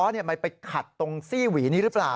มันไปขัดตรงซี่หวีนี้หรือเปล่า